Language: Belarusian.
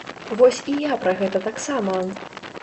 Вось і я пра гэта таксама!